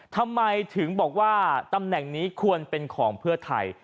ทำไมถึงบอกว่าตำแหน่งนี้ควรเป็นของเพื่อไทย